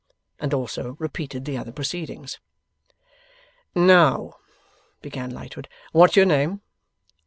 And also repeated the other proceedings. 'Now,' began Lightwood, 'what's your name?